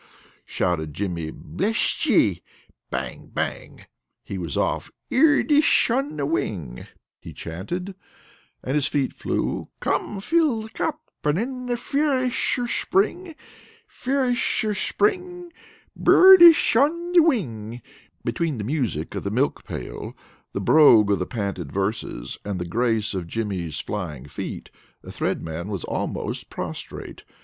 shouted Jimmy. "Besht yet!" Bang! Bang! He was off. "ird ish on the wing," he chanted, and his feet flew. "Come fill the cup, and in the firesh of spring Firesh of Spring, Bird ish on the Wing!" Between the music of the milk pail, the brogue of the panted verses, and the grace of Jimmy's flying feet, the Thread Man was almost prostrate.